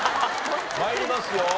参りますよ。